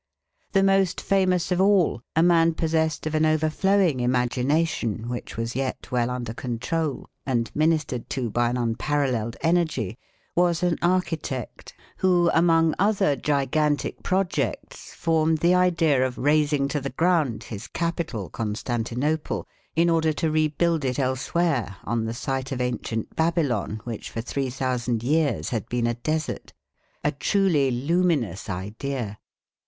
The most famous of all, a man possessed of an overflowing imagination which was yet well under control, and ministered to by an unparalleled energy, was an architect who among other gigantic projects formed the idea of rasing to the ground his capital, Constantinople, in order to rebuild it elsewhere, on the site of ancient Babylon, which for three thousand years had been a desert a truly luminous idea.